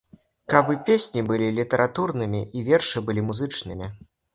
Каб і песні былі літаратурнымі, і вершы былі музычнымі.